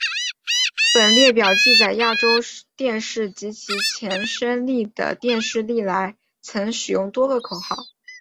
本列表记载亚洲电视及其前身丽的电视历年来曾使用的多个口号。